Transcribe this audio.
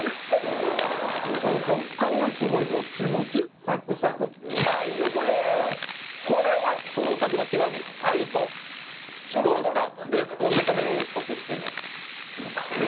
この食感がすごいもちもちサクサクうまいよこれこれは創作の極み最高これ何ですか？